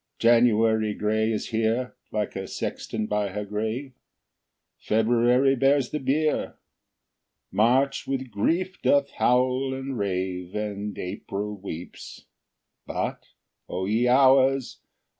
4. January gray is here, Like a sexton by her grave; _20 February bears the bier, March with grief doth howl and rave, And April weeps but, O ye Hours!